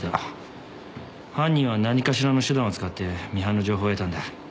犯人は何かしらの手段を使ってミハンの情報を得たんだ。